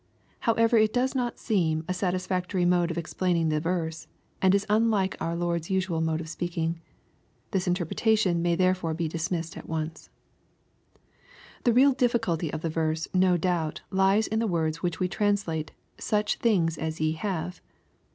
However it does not seem a satisfactory mode of explaining the verse, and is unlike our Lord's usual mode of speaking. This interpretation may therefore be dismissed at once. The real difficulty of the verse no doubt lies in the words which we translate " such things as ye have."